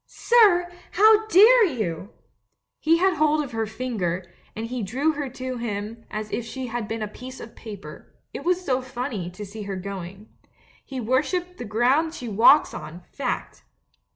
"Sir, how dare you?" He had hold of her finger, and he drew her to him as if she had been a piece of paper — it was so funny, to see her going. He worships the ground she walks on, fact!